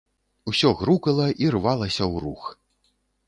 Усё грукала і рвалася ў рух.